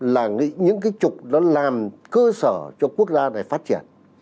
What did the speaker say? là những cái trục đó làm cơ sở cho quốc gia này phát triển